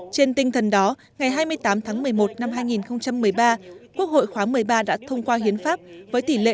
trên tinh thần đó ngày hai mươi tám tháng một mươi một năm hai nghìn một mươi ba quốc hội khóa một mươi ba đã thông qua hiến pháp với tỷ lệ chín mươi bảy năm mươi chín